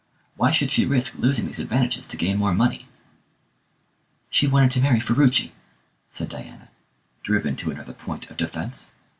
Why should she risk losing these advantages to gain more money?" "She wanted to marry Ferruci," said Diana, driven to another point of defence.